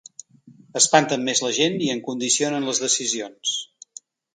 Espanten més la gent i en condicionen les decisions.